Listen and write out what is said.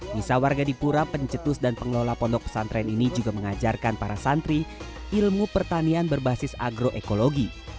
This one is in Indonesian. misa warga dipura pencetus dan pengelola pondok pesantren ini juga mengajarkan para santri ilmu pertanian berbasis agroekologi